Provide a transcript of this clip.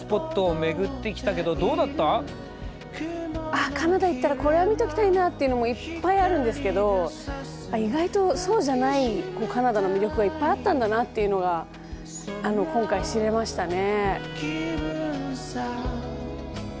あっカナダ行ったらこれは見ておきたいなっていうのもいっぱいあるんですけど意外とそうじゃないカナダの魅力がいっぱいあったんだなっていうのが今回知れましたね。